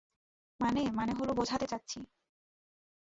মানে, মানে হল, বোঝাতে চাচ্ছি।